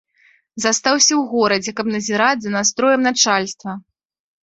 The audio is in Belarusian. Застаўся ў горадзе, каб назіраць за настроем начальства.